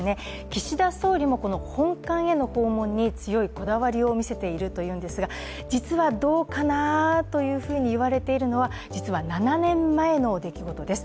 岸田総理も本館への訪問に強いこだわりを見せているということなんですが実はどうかなというふうに言われているのは、実は７年前の出来事です。